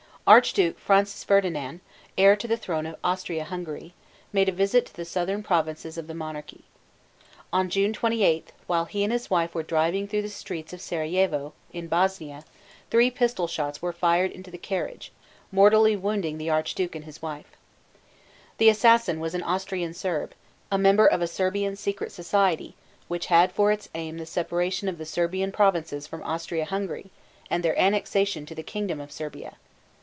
Archduke Francis Ferdinand, heir to the throne of Austria Hungary, made a visit to the southern provinces of the monarchy. On June 28, while he and his wife were driving through the streets of Serajevo (sĕr´a yā vo), in Bosnia, three pistol shots were fired into the carriage, mortally wounding the archduke and his wife. The assassin was an Austrian Serb, a member of a Serbian secret society which had for its aim the separation of the Serb provinces from Austria Hungary and their annexation to the kingdom of Serbia.